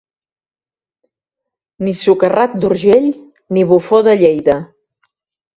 Ni socarrat d'Urgell, ni bufó de Lleida.